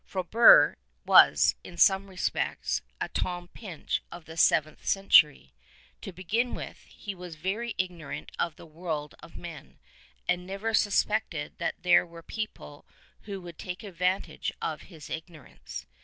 Frobert was, in some respects, a Tom Pinch of the seventh century. To begin with, he was very ignorant of the world of men, and never suspected that there were people who would take advantage of his ignorance.